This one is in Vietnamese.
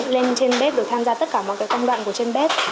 lên trên bếp rồi tham gia tất cả mọi công đoạn trên bếp